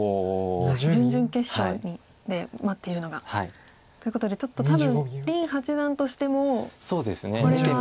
準々決勝で待っているのが。ということでちょっと多分林八段としてもこれは。